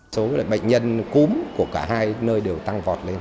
số bệnh nhân cúm của cả hai nơi đều tăng vọt lên